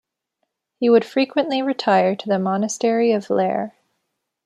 He would frequently retire to the Monastery of Leyre.